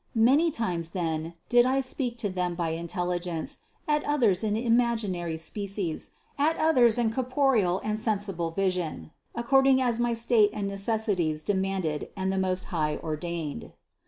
Many times then did I speak to them by intelligence, at others in imaginary species, at others in corporeal and sensible vision, according as my state and necessities demanded and the Most High ordained.